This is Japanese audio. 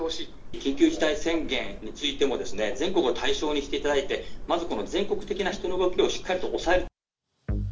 緊急事態宣言についても、全国を対象にしていただいて、まずこの全国的な人の動きをしっかりと抑える。